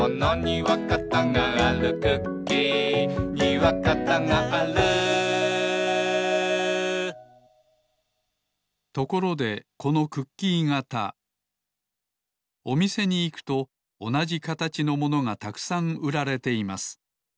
そうあれをつかうのですところでこのクッキー型おみせにいくとおなじかたちのものがたくさんうられています。